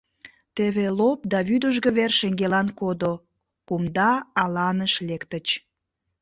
Теве лоп да вӱдыжгӧ вер шеҥгелан кодо, кумда аланыш лектыч.